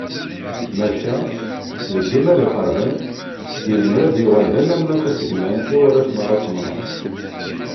Maca, deg yimal iqerben, yezmer ad d-yuɣal d anammas asegman i warrac merra n temnaḍt.